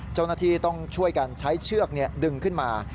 เจ้าหน้าที่ต้องช่วยกันใช้เชือกดึงขึ้นมา